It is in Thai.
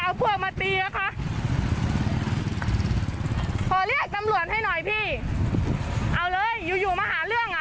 เอาพวกมาตีนะคะขอเรียกตำรวจให้หน่อยพี่เอาเลยอยู่อยู่มาหาเรื่องอ่ะ